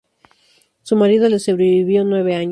Su marido le sobrevivió nueve años.